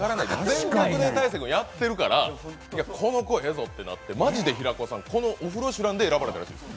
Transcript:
全力で大晴君やってるからこの子、ええぞってなってマジで平子さん「オフロシュラン」で選ばれたみたいです。